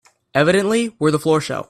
Evidently we're the floor show.